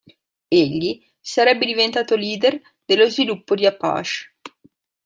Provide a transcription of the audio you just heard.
Egli sarebbe diventato leader dello sviluppo di Apache.